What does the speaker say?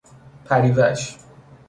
پریوش